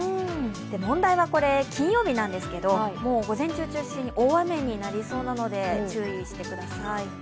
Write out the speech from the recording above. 問題は金曜日なんですけど午前中を中心に大雨になりそうなので注意してください。